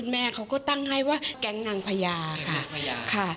แม่เขาก็ตั้งให้ว่าแก๊งนางพญาค่ะ